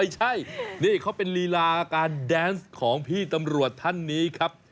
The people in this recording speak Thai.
ใช่นี่เขาเป็นลีลาการแดนส์ของพี่ตำรวจท่านนี้ครับ